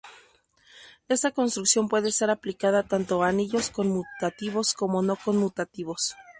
Esta construcción puede ser aplicada tanto a anillos conmutativos como no conmutativos.